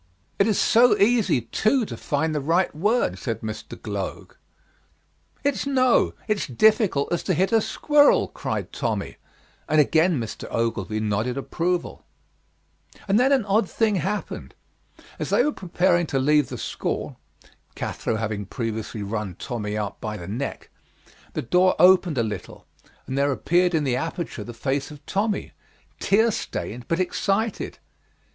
"It is so easy, too, to find the right word," said Mr. Gloag. "It's no; it's difficult as to hit a squirrel," cried Tommy, and again Mr. Ogilvy nodded approval. And then an odd thing happened. As they were preparing to leave the school [Cathro having previously run Tommy out by the neck], the door opened a little and there appeared in the aperture the face of Tommy, tear stained but excited.